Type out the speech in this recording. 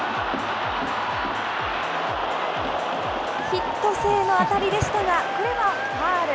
ヒット性の当たりでしたが、これはファウル。